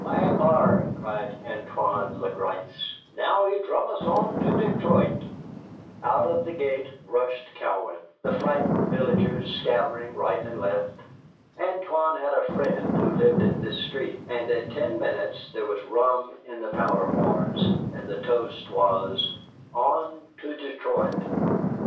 "By gar!" cried Antoine le Gris, "now he drum us on to Detroit." Out of the gate rushed Cowan, the frightened villagers scattering right and left. Antoine had a friend who lived in this street, and in ten minutes there was rum in the powder horns, and the toast was "On to Detroit!"